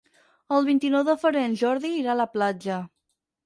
El vint-i-nou de febrer en Jordi irà a la platja.